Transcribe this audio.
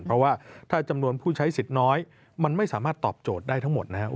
เพราะว่าถ้าจำนวนผู้ใช้สิทธิ์น้อยมันไม่สามารถตอบโจทย์ได้ทั้งหมดนะครับ